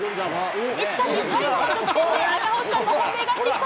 しかし、最後の直線で赤星さんの本命が失速。